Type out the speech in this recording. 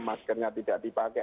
maskernya tidak dipakai